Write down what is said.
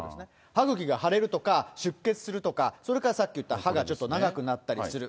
歯ぐきが腫れるとか、出血するとか、それからさっき言った、歯がちょっと長くなったりする。